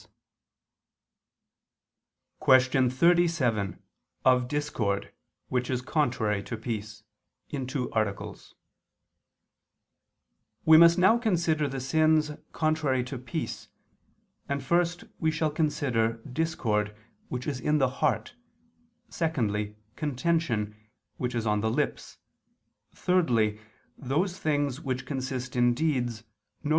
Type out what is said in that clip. _______________________ QUESTION 37 OF DISCORD, WHICH IS CONTRARY TO PEACE (In Two Articles) We must now consider the sins contrary to peace, and first we shall consider discord which is in the heart, secondly contention, which is on the lips, thirdly, those things which consist in deeds, viz.